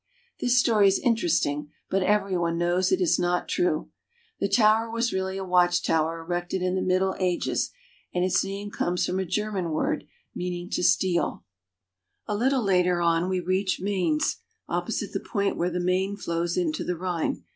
This story is interesting, but every one knows it is not true. The tower was really a watch tower erected in the Middle Ages, and its name comes from a German word which means to steal. UP THE RHINE TO SWITZERLAND. 245 A little later on we reach Mainz, opposite the point where the Main flows into the Rhine.